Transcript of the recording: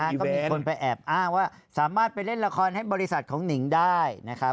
ก็มีคนไปแอบอ้างว่าสามารถไปเล่นละครให้บริษัทของหนิงได้นะครับ